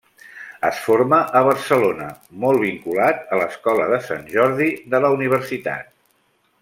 Es forma a Barcelona molt vinculat a l'escola de Sant Jordi de la Universitat.